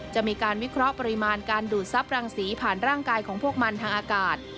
จะมีการวิเคราะห์ปริมาณการดูดทรัพย์รังสีผ่านร่างกายของพวกมันทางอากาศ